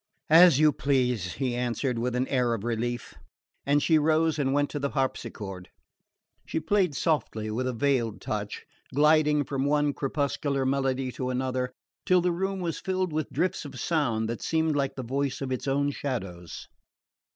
"As you please," he answered, with an air of relief; and she rose and went to the harpsichord. She played softly, with a veiled touch, gliding from one crepuscular melody to another, till the room was filled with drifts of sound that seemed like the voice of its own shadows.